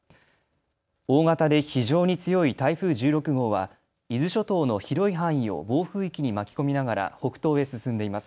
大型で非常に強い台風１６号は伊豆諸島の広い範囲を暴風域に巻き込みながら北東へ進んでいます。